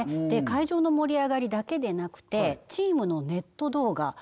会場の盛り上がりだけでなくてチームのネット動画